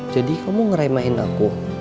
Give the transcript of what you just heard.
jadi kamu ngeraymahin aku